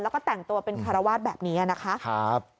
แล้วก็แต่งตัวเป็นคารวาสแบบนี้นะคะ